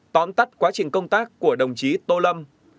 tóm tắt quá trình công tác của đồng chí tô lâm